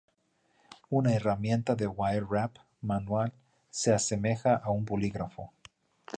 Una herramienta de wire-wrap manual se asemeja a un bolígrafo.